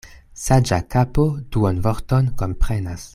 Saĝa kapo duonvorton komprenas.